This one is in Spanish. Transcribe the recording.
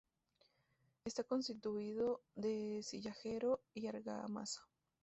Está construido de sillarejo y argamasa.